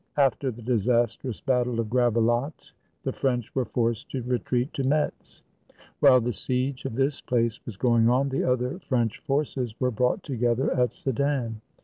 After the disastrous battle of Gravelotte, the French were forced to retreat to Metz. While the siege of this place was going on, the other French forces were brought together at Sedan.